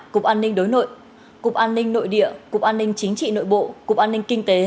cục an ninh đối nội cục an ninh nội địa cục an ninh chính trị nội bộ cục an ninh kinh tế